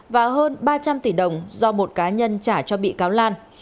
và hơn ba trăm linh tỷ đồng do một cá nhân trả cho bị cáo lan